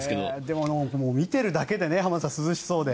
でも見てるだけで浜田さん涼しそうで。